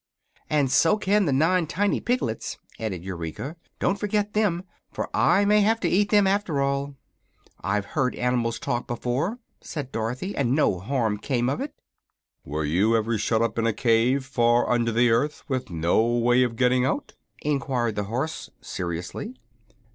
"And so can the nine tiny piglets," added Eureka. "Don't forget them, for I may have to eat them, after all." "I've heard animals talk before," said Dorothy, "and no harm came of it." "Were you ever before shut up in a cave, far under the earth, with no way of getting out?" enquired the horse, seriously.